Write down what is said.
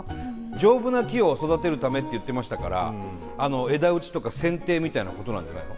丈夫な木を育てるためって言ってましたから枝打ちとかせんていみたいなことなんじゃないの？